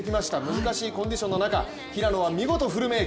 難しいコンディションの中、平野は見事、フルメーク。